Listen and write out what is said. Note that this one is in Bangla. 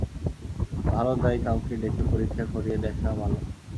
ভালো দাই কাউকে ডেকে পরীক্ষা করিয়ে দেখা ভালো।